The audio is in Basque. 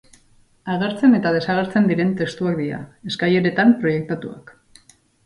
Agertzen eta desagertzen diren testuak dira, eskaileretan proiektatuak.